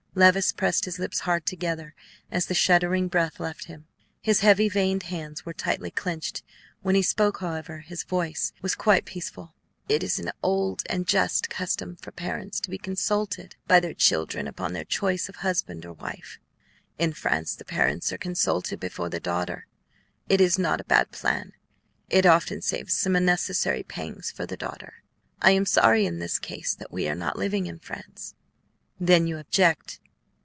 Levice pressed his lips hard together as the shuddering breath left him; his heavy veined hands were tightly clinched; when he spoke, however, his voice was quite peaceful. "It is an old and just custom for parents to be consulted by their children upon their choice of husband or wife. In France the parents are consulted before the daughter; it is not a bad plan. It often saves some unnecessary pangs for the daughter. I am sorry in this case that we are not living in France." "Then you object?"